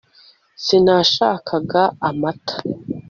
sinashakaga amata